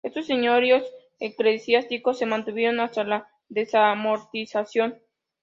Estos señoríos eclesiásticos se mantuvieron hasta la Desamortización.